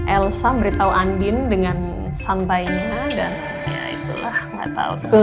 elsa memberitahu andin dengan sambainya dan ya itulah nggak tau